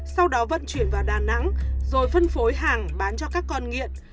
sau đó vận chuyển vào đà nẵng rồi phân phối hàng bán cho các con nghiện